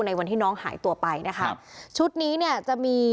ในวันที่น้องหายตัวไปชุดนี้จะมี